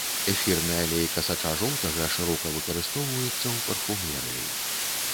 Эфірны алей касача жоўтага шырока выкарыстоўваецца ў парфумерыі.